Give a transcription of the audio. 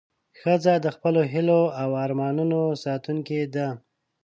ښځه د خپلو هیلو او ارمانونو ساتونکې ده.